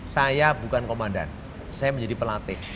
saya bukan komandan saya menjadi pelatih